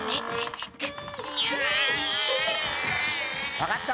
・分かった